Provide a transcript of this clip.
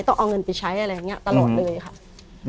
ต้องเอาเงินไปใช้อะไรอย่างนี้ตลอดเลยค่ะ